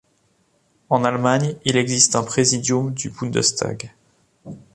En Allemagne, il existe un præsidium du Bundestag.